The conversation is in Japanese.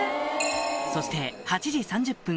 そして８時３０分